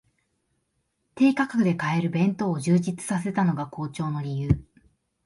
低価格で買える弁当を充実させたのが好調の理由